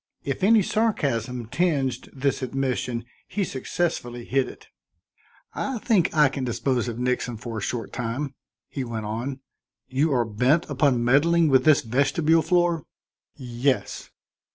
If any sarcasm tinged this admission, he successfully hid it. "I think I can dispose of Nixon for a short time," he went on. "You are bent upon meddling with that vestibule floor?" "Yes."